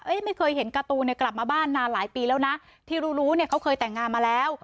ไม่เคยเห็นการ์ตูนเนี่ยกลับมาบ้านนานหลายปีแล้วนะที่รู้รู้เนี่ยเขาเคยแต่งงานมาแล้ว